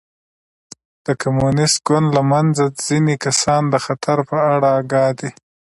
د کمونېست ګوند له منځه ځیني کسان د خطر په اړه اګاه دي.